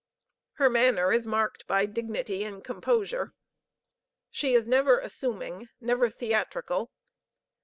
Her manner is marked by dignity and composure. She is never assuming, never theatrical.